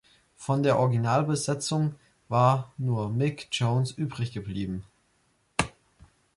Von der Originalbesetzung war nur Mick Jones übriggeblieben.